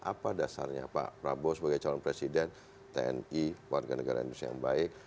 apa dasarnya pak prabowo sebagai calon presiden tni warga negara indonesia yang baik